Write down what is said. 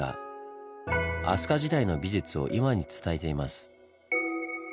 飛鳥時代の美術を今に伝えています。